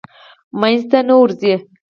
منځ ته نه ورځي.